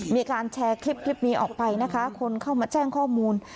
มีการแชร์คลิปนี้ออกไปนะคะคนเข้ามาแจ้งข้อมูล